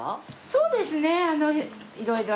そうですね。